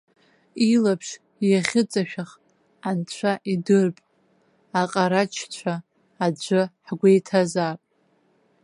Илаԥш иахьыҵашәах анцәа идырп, аҟарачцәа аӡәы ҳгәеиҭазаап.